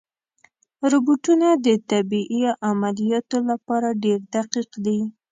روبوټونه د طبي عملیاتو لپاره ډېر دقیق دي.